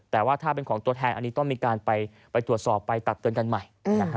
แต่ว่าถ้าเป็นของตัวแทนอันนี้ต้องมีการไปตรวจสอบไปตักเตือนกันใหม่